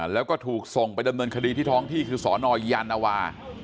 แล้วก็ถูกส่งไปดำเนินคดีที่ท้องที่คือสนยานวา